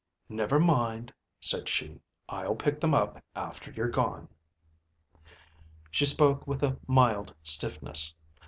" Never mind," said she I'll pick them up after you're gone." She spoke with a mild stiffness.